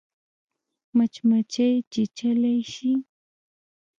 مچمچۍ چیچلای شي